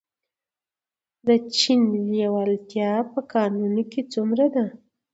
د چین لیوالتیا په کانونو کې څومره ده؟